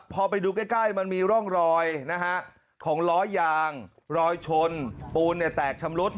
พอไปดูใกล้มันมีร่องรอยนะฮะของล้อยางรอยชนปูนแตกชำรุด